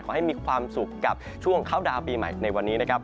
ขอให้มีความสุขกับช่วงเข้าดาวน์ปีใหม่ในวันนี้นะครับ